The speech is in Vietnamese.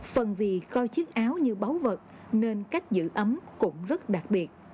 phần vì coi chiếc áo như báu vật nên cách giữ ấm cũng rất đặc biệt